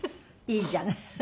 いいじゃない。